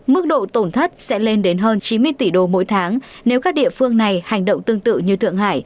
mức độ tổn thất sẽ lên đến hơn chín mươi tỷ đô mỗi tháng nếu các địa phương này hành động tương tự như thượng hải